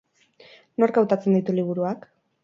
Nork hautatzen ditu liburuak?